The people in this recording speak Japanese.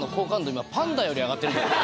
今パンダより上がってる